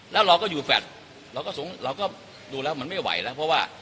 แล้วเราก็อยู่แฟลต์เราก็สูงเราก็ดูแล้วมันไม่ไหวแล้วเพราะว่า